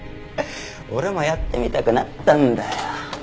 俺もやってみたくなったんだよ。